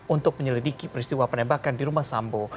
untuk menyelidiki peristiwa penembakan di rumah sambo